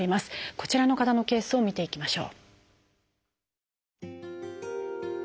こちらの方のケースを見ていきましょう。